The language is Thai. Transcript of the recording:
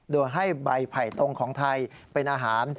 โดยให้ใบไผ่ตรงของไทยเป็นอาหาร